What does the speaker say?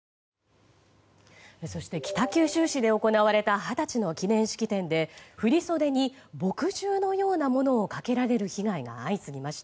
そして北九州市で行われた二十歳の記念式典で振り袖に墨汁のようなものをかけられる被害が相次ぎました。